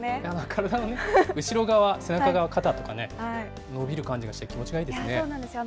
体の後ろ側、背中側、肩とかね、伸びる感じがして気持ちいいそうなんですよ。